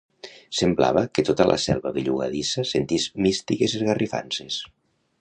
Semblava que tota la selva bellugadissa sentís místiques esgarrifances